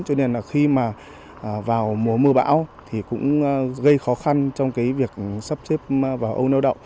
cho nên là khi mà vào mùa mưa bão thì cũng gây khó khăn trong cái việc sắp xếp vào âu neo đậu